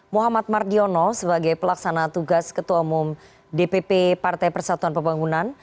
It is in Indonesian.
muhammad mardiono sebagai pelaksana tugas ketua umum dpp partai persatuan pembangunan